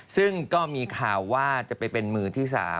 ซึ่งก็มีข่าวว่าจะไปเป็นมือที่๓